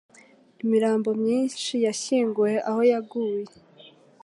Imirambo myinshi yashyinguwe aho yaguye.